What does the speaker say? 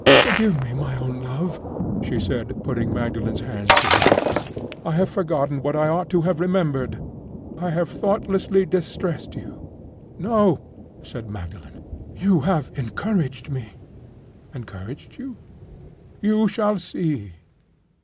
"Forgive me, my own love!" she said, putting Magdalen's hand to her lips. "I have forgotten what I ought to have remembered. I have thoughtlessly distressed you!" "No!" said Magdalen; "you have encouraged me." "Encouraged you?" "You shall see."